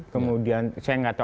kemudian saya gak tahu